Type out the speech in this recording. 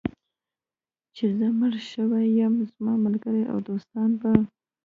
چې زه مړ شوی یم، زما ملګري او دوستان به.